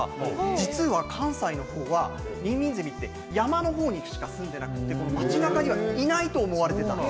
実は関西の方はミンミンゼミって山のほうにしかすんでいなくて街なかにはいないと思われていた。